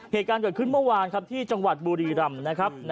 เหตุการณ์เกิดขึ้นเมื่อวานครับที่จังหวัดบุรีรำนะครับ